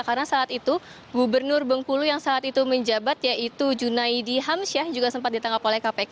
karena saat itu gubernur bengkulu yang saat itu menjabat yaitu junaidi hamsyah juga sempat ditangkap oleh kpk